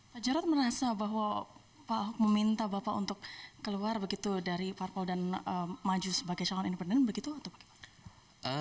pak jarod merasa bahwa pak ahok meminta bapak untuk keluar begitu dari parpol dan maju sebagai calon independen begitu atau bagaimana